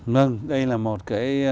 vâng đây là một cái